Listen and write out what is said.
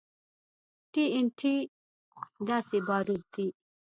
ټي ان ټي داسې باروت دي.